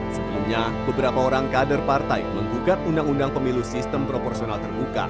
sebelumnya beberapa orang kader partai menggugat undang undang pemilu sistem proporsional terbuka